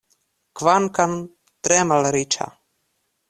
Kvankam tre malriĉa.